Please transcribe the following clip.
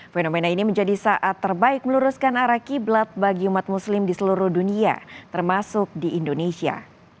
fenomena ini menjadi saat terbaik meluruskan arah qiblat bagi umat muslim di seluruh dunia termasuk di indonesia